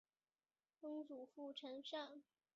曾祖父陈善。